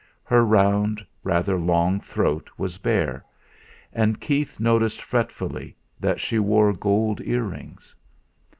Her round, rather long throat was bare; and Keith noticed fretfully that she wore gold earrings.